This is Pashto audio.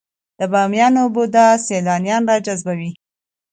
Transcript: د بامیان بودا سیلانیان راجذبوي؟